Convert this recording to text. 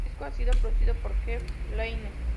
El disco ha sido producido por Jeff Lynne.